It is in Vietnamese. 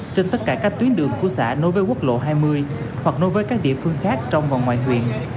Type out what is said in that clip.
trên tất cả các tuyến đường của xã nối với quốc lộ hai mươi hoặc nối với các địa phương khác trong và ngoài huyện